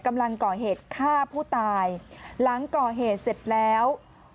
กำลังก่อเหตุฆ่าผู้ตายหลังก่อเหตุเสร็จแล้ว